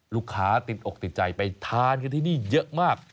ลูกค้าติดอกติดใจไปทานกันที่นี่เยอะมาก